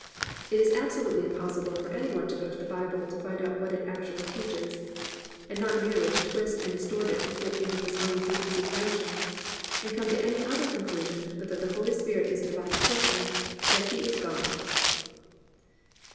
It is absolutely impossible for any one to go to the Bible to find out what it actually teaches, and not merely to twist and distort it to fit into his own preconceived notions, and come to any other conclusion but that the Holy Spirit is a Divine Person, that He is God.